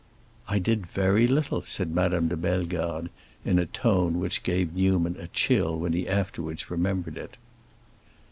"I did very little!" said Madame de Bellegarde, in a tone which gave Newman a chill when he afterwards remembered it.